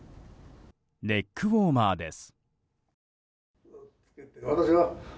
ネックウォーマーです。